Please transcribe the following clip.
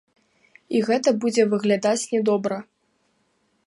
І гэта будзе выглядаць не добра.